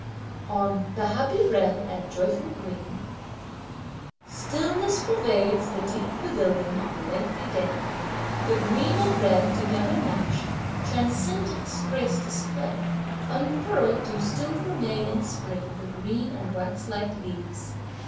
On "the happy red and joyful green:" Stillness pervades the deep pavilion on a lengthy day. The green and red, together matched, transcendent grace display. Unfurled do still remain in spring the green and waxlike leaves.